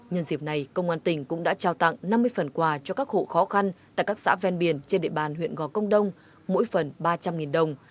nhân dịp này công an tỉnh cũng đã trao tặng năm mươi phần quà cho các hộ khó khăn tại các xã ven biển trên địa bàn huyện gò công đông mỗi phần ba trăm linh đồng